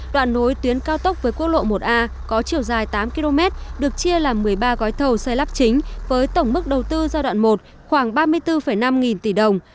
đoạn nối tuyến cao tốc với quốc lộ một a có chiều dài tám km được chia làm một mươi ba gói thầu xe lắp chính với tổng mức đầu tư giai đoạn một khoảng ba mươi bốn năm nghìn tỷ đồng